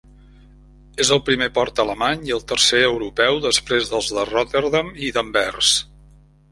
És el primer port alemany i el tercer europeu, després dels de Rotterdam i d'Anvers.